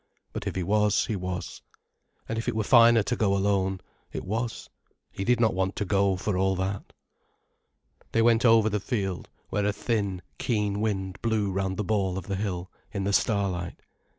But if he was, he was. And if it were finer to go alone, it was: he did not want to go for all that. They went over the field, where a thin, keen wind blew round the ball of the hill, in the starlight.